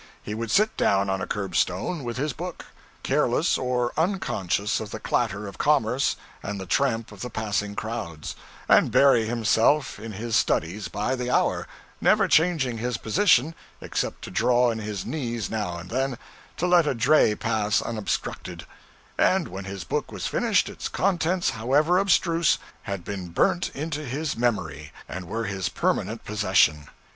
He would sit down on a curbstone with his book, careless or unconscious of the clatter of commerce and the tramp of the passing crowds, and bury himself in his studies by the hour, never changing his position except to draw in his knees now and then to let a dray pass unobstructed; and when his book was finished, its contents, however abstruse, had been burnt into his memory, and were his permanent possession.